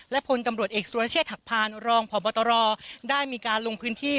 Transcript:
และพลตำรวจเอกสุรเชษฐหักพานรองพบตรได้มีการลงพื้นที่